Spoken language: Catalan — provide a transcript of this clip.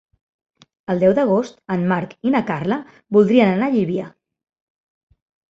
El deu d'agost en Marc i na Carla voldrien anar a Llívia.